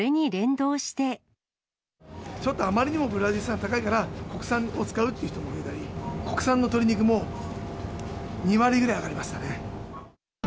ちょっとあまりにもブラジル産高いから、国産を使うという人もいたり、国産の鶏肉も２割ぐらい上がりましたね。